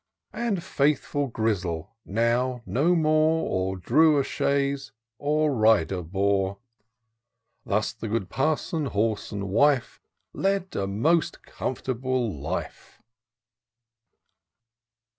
361 And faithful Grizzle now no more Or drew a chaise, or rider bore. Thus the good Parson, Horse, and Wife, Led a most comfortable life.